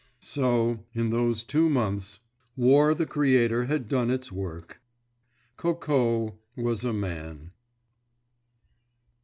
So, in those two months, War the Creator had done its work. Coco was a man.